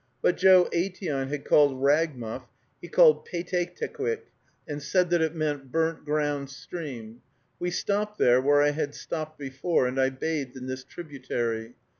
What Joe Aitteon had called Ragmuff, he called Paytaytequick, and said that it meant Burnt Ground Stream. We stopped there, where I had stopped before, and I bathed in this tributary.